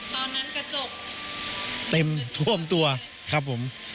ตอนนั้นกระจกเต็มทวมตัวครับผม